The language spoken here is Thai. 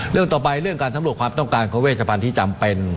เรื่องต่อไปเรื่องการสำรวจความต้องการของเวชพันธุ์ที่จำเป็น